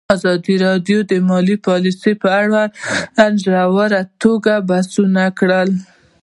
ازادي راډیو د مالي پالیسي په اړه په ژوره توګه بحثونه کړي.